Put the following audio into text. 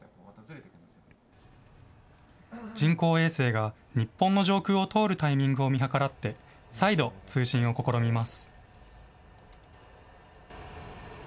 人工衛星が日本の上空を通るタイミングを見計らって、再度、通信を試みます。